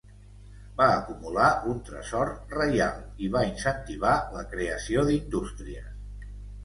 Va acumular un tresor reial i va incentivar la creació d'indústries.